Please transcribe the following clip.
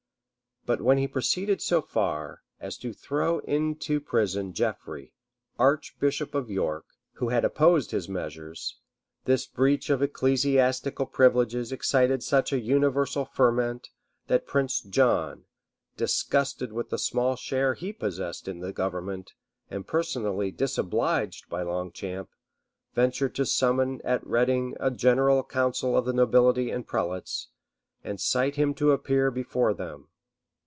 But when he proceeded so far as to throw into prison Geoffrey, archbishop of York, who had opposed his measures, this breach of ecclesiastical privileges excited such a universal ferment, that Prince John, disgusted with the small share he possessed in the government, and personally disobliged by Longchamp, ventured to summon at Reading a general council of the nobility and prelates, and cite him to appear before them.